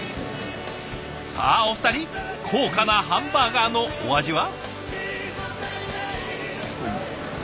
さあお二人高価なハンバーガーのお味は？